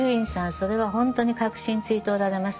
それはほんとに核心ついておられます。